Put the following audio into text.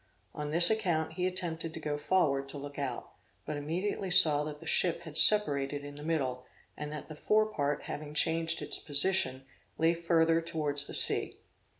On this account, he attempted to go forward to look out, but immediately saw that the ship had separated in the middle, and that the fore part having changed its position, lay further towards the sea.